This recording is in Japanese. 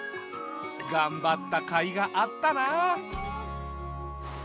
がんばったかいがあったな。